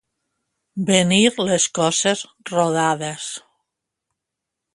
Venir les coses rodades.